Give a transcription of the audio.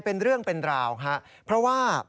เพราะว่า